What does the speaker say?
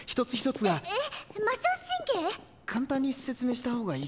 簡単に説明したほうがいいかな？